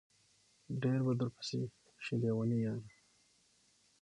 ډېر به درپسې شي لېوني ياره